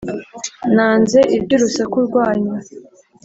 Na nze ibyu rusaku rwanyu